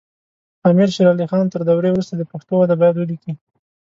امیر شیر علی خان تر دورې وروسته د پښتو وده باید ولیکي.